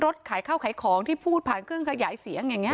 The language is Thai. ขายข้าวขายของที่พูดผ่านเครื่องขยายเสียงอย่างนี้